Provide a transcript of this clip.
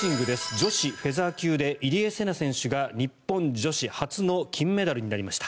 女子フェザー級で入江聖奈選手が日本女子初の金メダルになりました。